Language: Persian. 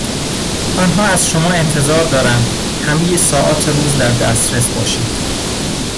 آنها از شما انتظار دارند همهی ساعات روز در دسترس باشید.